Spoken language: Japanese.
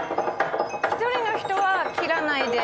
１人の人は切らないで。